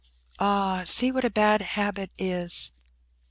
"Ah, see what a bad habit is!"